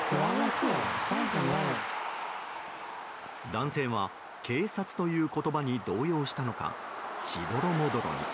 男性は警察という言葉に動揺したのかしどろもどろに。